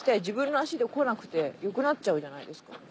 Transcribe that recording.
自分の足で来なくてよくなっちゃうじゃないですか。